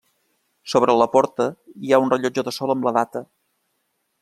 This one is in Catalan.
Sobre la porta hi ha un rellotge de sol amb la data.